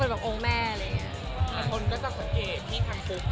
น่าสงสาร